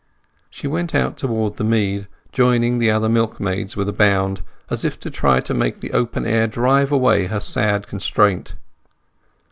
She went out towards the mead, joining the other milkmaids with a bound, as if trying to make the open air drive away her sad constraint.